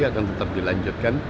akan tetap dilanjutkan